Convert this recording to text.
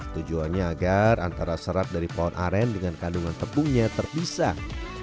tujuannya agar antara serap dari pohon aren dengan kandungan tepungnya terpisah